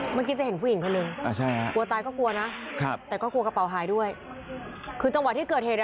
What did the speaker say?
เมื่อกี้จะเห็นผู้หญิงคนหนึ่งกลัวตายก็กลัวนะครับแต่ก็กลัวกระเป๋าหายด้วยคือจังหวะที่เกิดเหตุ